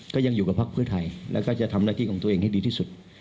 ก็ยังอยู่กับพักเพื่อไทยแล้วก็จะทำหน้าที่ของตัวเองให้ดีที่สุด